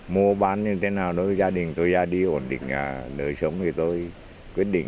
mua bán như thế nào đối với gia đình tôi ra đi ổn định đời sống thì tôi quyết định